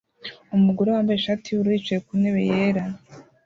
Umugore wambaye ishati yubururu yicaye ku ntebe yera